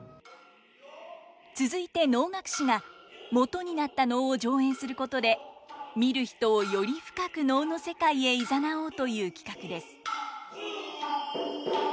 続いて能楽師がもとになった能を上演することで見る人をより深く能の世界へ誘おうという企画です。